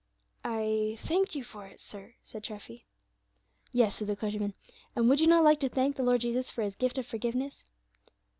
"I thanked you for it, sir," said Treffy. "Yes," said the clergyman, "and would you not like to thank the Lord Jesus for His gift of forgiveness?"